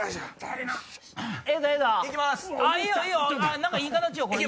何かいい形よこれ。